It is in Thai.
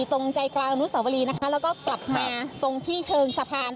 ตรงใจกลางอนุสวรีนะคะแล้วก็กลับมาตรงที่เชิงสะพาน